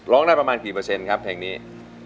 ร้องได้ประมาณกี่เปอร์เซ็นต์ครับเพลงนี้